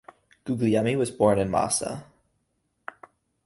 Guglielmi was born in Massa.